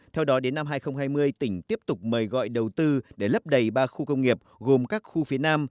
theo đó đến năm hai nghìn hai mươi tỉnh tiếp tục mời gọi đầu tư để lấp đầy ba khu công nghiệp gồm các khu phía nam